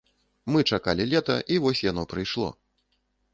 Мы чакалі лета і вось яно прыйшло.